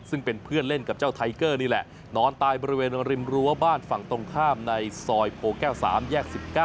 ซึ่งเป็นเพื่อนเล่นกับเจ้าไทเกอร์นี่แหละนอนตายบริเวณริมรั้วบ้านฝั่งตรงข้ามในซอยโพแก้ว๓แยก๑๙